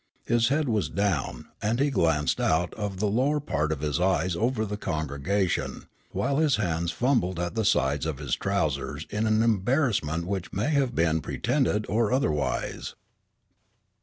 His head was down, and he glanced out of the lower part of his eyes over the congregation, while his hands fumbled at the sides of his trousers in an embarrassment which may have been pretended or otherwise.